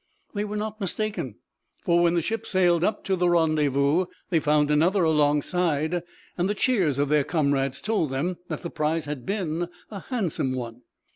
They were not mistaken, for when the ship sailed up to the rendezvous they found another alongside, and the cheers of their comrades told them that the prize had been a handsome one.